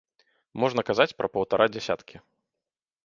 Можна казаць пра паўтара дзясяткі.